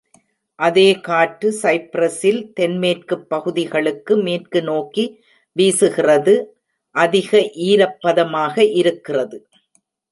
அதே காற்று சைப்ரஸில் தென்மேற்குப் பகுதிகளுக்கு மேற்கு நோக்கி வீசுகிறது, அதிக ஈரப்பதமாக இருக்கிறது.